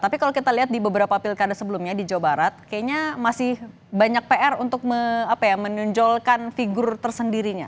tapi kalau kita lihat di beberapa pilkada sebelumnya di jawa barat kayaknya masih banyak pr untuk menonjolkan figur tersendirinya